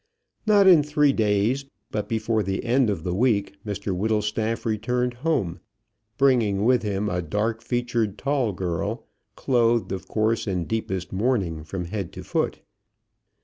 Not in three days, but before the end of the week, Mr Whittlestaff returned home, bringing with him a dark featured tall girl, clothed, of course, in deepest mourning from head to foot.